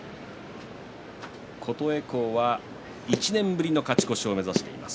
琴恵光は１年ぶりの勝ち越しを目指しています。